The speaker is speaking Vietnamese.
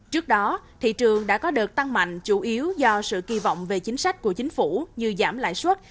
trước đó thị trường đã có đợt tăng mạnh chủ yếu do sự kỳ vọng về chính sách của chính phủ như giảm lãi suất